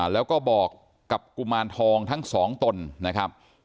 แล้วก็บอกกับกุมารทองทั้งสองตนนะครับ